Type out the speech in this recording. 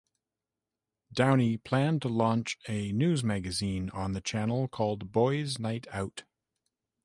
Downey planned to launch a news magazine on the Channel called Boyz Night Out.